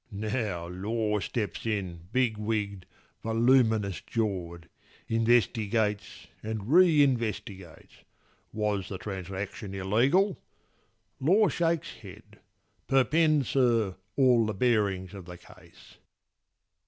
Now Law steps in, bigwigg'd, voluminous jaw'd; Investigates and re investigates. Was the transaction illegal? Law shakes head. Perpend, sir, all the bearings of the case.